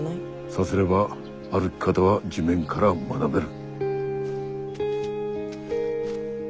さすれば歩き方は地面から学べる。